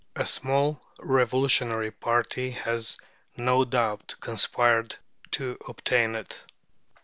A small revolutionary party has, no doubt, conspired to obtain it.